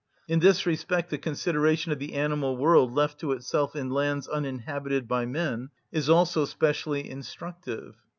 In this respect the consideration of the animal world left to itself in lands uninhabited by men is also specially instructive.